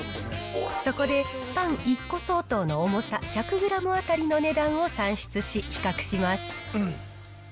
そこで、パン１個相当の重さ１００グラム当たりの値段を算出し、比較します。